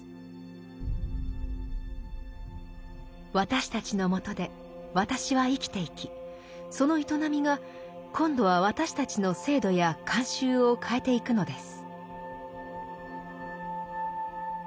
私たちのもとで私は生きていきその営みが今度は私たちの制度や慣習を変えていくのです。